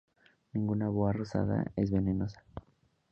Ninguna boa rosada es venenosa.